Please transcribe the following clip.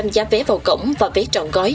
giá vé vào cổng và vé trọn gói